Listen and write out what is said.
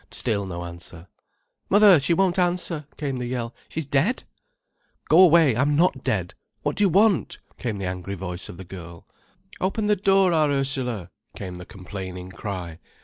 Still no answer. "Mother, she won't answer," came the yell. "She's dead." "Go away—I'm not dead. What do you want?" came the angry voice of the girl. "Open the door, our Ursula," came the complaining cry.